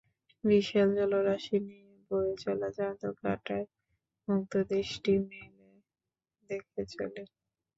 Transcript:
বিশাল জলরাশি নিয়ে বয়ে চলা জাদুকাটায় মুগ্ধ দৃষ্টি মেলে দেখে চলি।